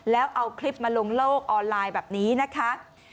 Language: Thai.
แล้วเอาคลิปมาลงโลกออนไลน์แบบนี้นะคะ